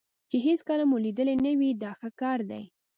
چې هېڅکله مو لیدلی نه وي دا ښه کار دی.